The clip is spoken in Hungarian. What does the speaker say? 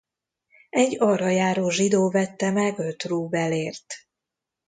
Egy arra járó zsidó vette meg öt rubelért.